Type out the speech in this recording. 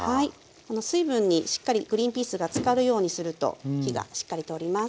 この水分にしっかりグリンピースがつかるようにすると火がしっかり通ります。